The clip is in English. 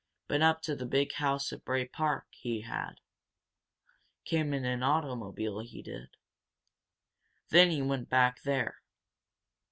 Been up to the big house at Bray Park, he had. Came in an automobile, he did. Then he went back there.